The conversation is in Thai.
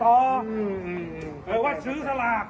เออว่าซื้อสลาก